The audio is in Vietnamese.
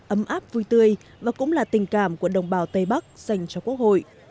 ấm áp vui tươi và cũng là tình cảm của đồng bào tây bắc dành cho quốc hội